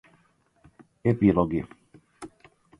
Epilogi